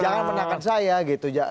jangan menangkan saya gitu